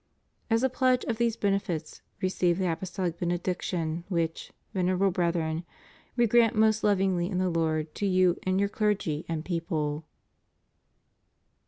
As a pledge of these benefits receive the Apostolic Benediction which. Venerable Brethren, We grant most lovingly in the Lord to you and your clergy and people.